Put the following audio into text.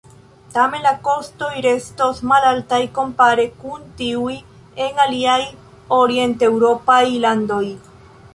Tamen la kostoj restos malaltaj kompare kun tiuj en aliaj orienteŭropaj landoj.